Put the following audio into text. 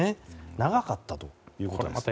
長かったということです。